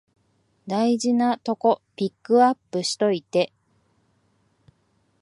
大事なとこピックアップしといて